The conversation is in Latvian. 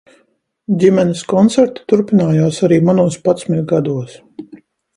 Ģimenes koncerti turpinājās arī manos padsmit gados.